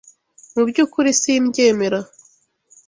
Mu byukuri simbyemera.